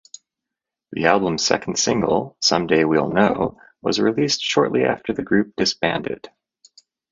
The album's second single, "Someday We'll Know," was released shortly after the group disbanded.